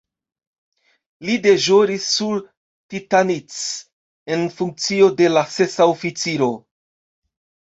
Li deĵoris sur "Titanic" en funkcio de la sesa oficiro.